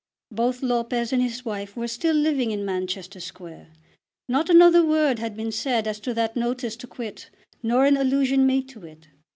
Both Lopez and his wife were still living in Manchester Square. Not another word had been said as to that notice to quit, nor an allusion made to it.